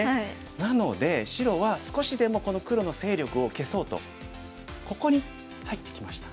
なので白は少しでもこの黒の勢力を消そうとここに入ってきました。